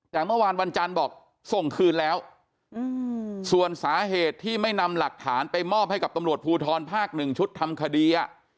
แต่เมื่อวานวันจันทร์บอกส่งคืนแล้วส่วนสาเหตุที่ไม่นำหลักฐานไปมอบให้กับตำรวจภูทรภาคหนึ่งชุดทำคดี